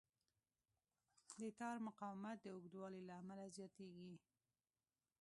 د تار مقاومت د اوږدوالي له امله زیاتېږي.